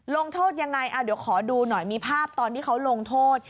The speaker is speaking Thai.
ลงโทษยังไงเดี๋ยวขอดูหน่อยมีภาพตอนที่เขาลงโทษ